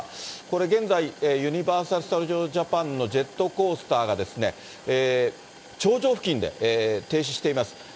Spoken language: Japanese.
現在、ユニバーサル・スタジオ・ジャパンのジェットコースターが、頂上付近で停止しています。